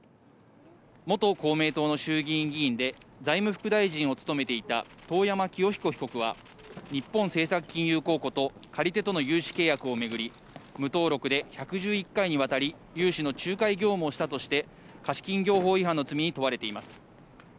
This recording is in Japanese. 元公明党の衆議院議員で財務副大臣を務めていた遠山清彦被告は、日本政策金融公庫と借り手との融資契約をめぐり、無登録で１１１回にわたり融資の仲介業務をしたとして貸金業法違反の罪に問われています。